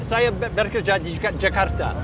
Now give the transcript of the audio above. saya bekerja di jakarta